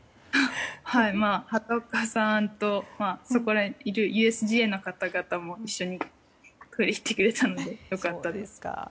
畑岡さんとそこにいるＵＳＧＡの方々も一緒にトイレ行ってくれたので良かったです。